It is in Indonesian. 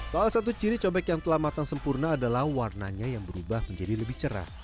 salah satu ciri cobek yang telah matang sempurna adalah warnanya yang berubah menjadi lebih cerah